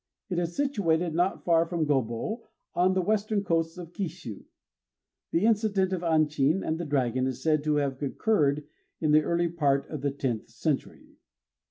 It is situated not far from Gobô, on the western coast of Kishû. The incident of Anchin and the dragon is said to have occurred in the early part of the tenth century.